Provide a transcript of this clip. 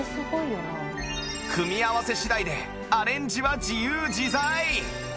組み合わせ次第でアレンジは自由自在！